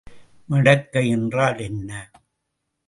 மடக்கை என்றால் என்ன?